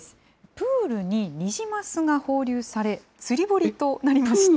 プールにニジマスが放流され、釣堀となりました。